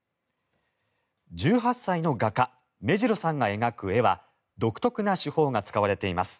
１８歳の画家萌白さんが描く絵は独特な手法が使われています。